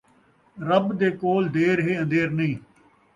رب دے کول دیر ہے ان٘دھیر نئیں